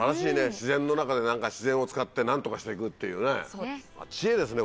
自然の中で自然を使って何とかしていくっていうね知恵ですね